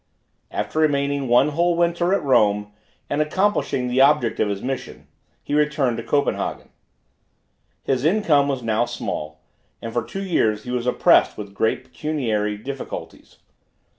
After remaining one whole winter at Rome, and accomplishing the object of his mission, he returned to Copenhagen. His income was now small, and for two years he was oppressed with great pecuniary difficulties.